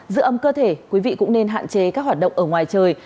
giữa ấm cơ thể quý vị cũng nên hạn chế các hoạt động ở ngoài trời